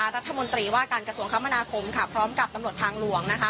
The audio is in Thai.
รัฐมนตรีว่าการกระทรวงคมนาคมพร้อมกับตำรวจทางหลวง